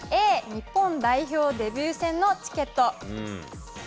Ａ、日本代表デビュー戦のチケット。